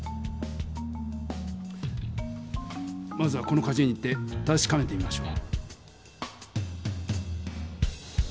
まずはこのかじゅ園に行ってたしかめてみましょう。